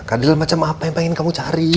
keadilan macam apa yang pengen kamu cari